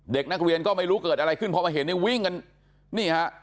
เด็กนักเรียนก็ไม่รู้เกิดอะไรขึ้นเพราะเห็นมันวิ่งกัน